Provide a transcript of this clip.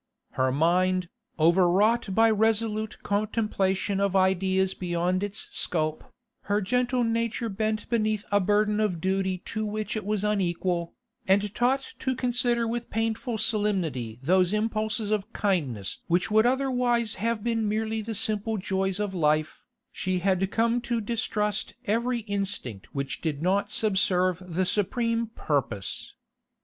Her mind, overwrought by resolute contemplation of ideas beyond its scope, her gentle nature bent beneath a burden of duty to which it was unequal, and taught to consider with painful solemnity those impulses of kindness which would otherwise have been merely the simple joys of life, she had come to distrust every instinct which did not subserve the supreme purpose.